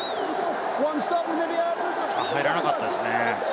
入らなかったですね。